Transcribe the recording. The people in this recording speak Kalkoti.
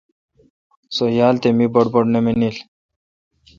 سو یال تھ می بڑ بڑ نہ مانیل۔